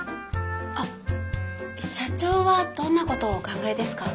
あっ社長はどんなことをお考えですか？